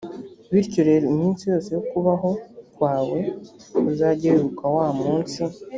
bityo rero, iminsi yose y’ukubaho kwawe uzajye wibuka wa munsi